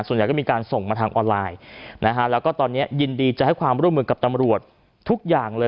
ส่วนใหญ่ก็มีการส่งมาทางออนไลน์นะฮะแล้วก็ตอนนี้ยินดีจะให้ความร่วมมือกับตำรวจทุกอย่างเลย